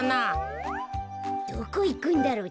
どこいくんだろう？